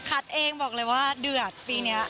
เองบอกเลยว่าเดือดปีนี้